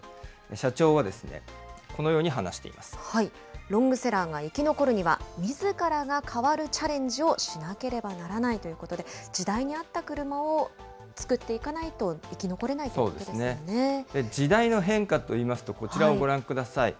社長はですね、ロングセラーが生き残るには、みずからが変わるチャレンジをしなければならないということで、時代に合った車を作っていかないと生き残れないということですよ時代の変化といいますと、こちらをご覧ください。